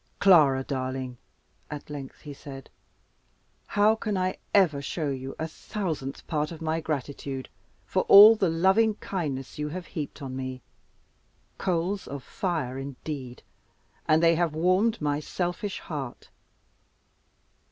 "Clara, darling," at length he said, "how can I ever show you a thousandth part of my gratitude for all the lovingkindness you have heaped on me? Coals of fire, indeed! and they have warmed my selfish heart.